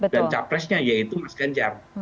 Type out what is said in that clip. dan capresnya yaitu mas ganjar